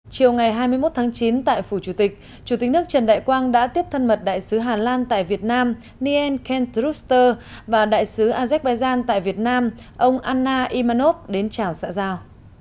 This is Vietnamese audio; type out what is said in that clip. chiều ngày hai mươi một tháng chín tại phủ chủ tịch chủ tịch nước trần đại quang đã tiếp thân mật đại sứ hà lan tại việt nam nien cantrister và đại sứ azerbaijan tại việt nam ông anna imanov đến chào xã giao